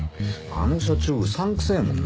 あの社長うさんくせえもんな。